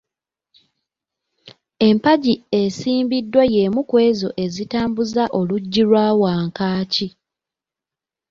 Empagi esimbiddwa yemu ku ezo ezitambuza oluggi lwa Wankaaki.